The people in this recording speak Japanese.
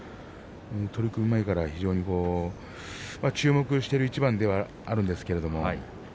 取組前から非常に注目している一番ではあるんです。